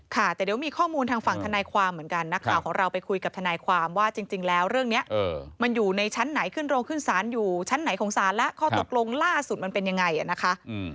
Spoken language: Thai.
ค่ะแต่เดี๋ยวมีข้อมูลทางฝั่งทนายความเหมือนกันนักข่าวของเราไปคุยกับทนายความว่าจริงแล้วเรื่องนี้มันอยู่ในชั้นไหนขึ้นโรงขึ้นศาลอยู่ชั้นไหนของศาลแล้วข้อตกลงล่าสุดมันเป็นยังไงนะคะ